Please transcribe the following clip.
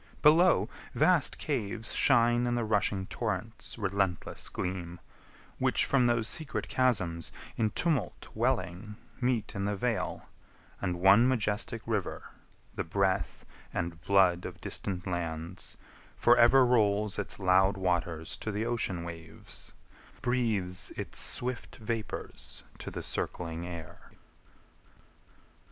Below, vast caves Shine in the rushing torrents' restless gleam, Which from those secret chasms in tumult welling Meet in the vale, and one majestic River, The breath and blood of distant lands, for ever Rolls its loud waters to the ocean waves, Breathes its swift vapours to the circling air.